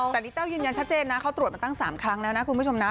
แต่นี่แต้วยืนยันชัดเจนนะเขาตรวจมาตั้ง๓ครั้งแล้วนะคุณผู้ชมนะ